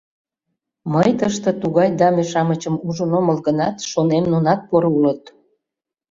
Мый тыште тугай даме-шамычым ужын омыл гынат, шонем, нунат поро улыт.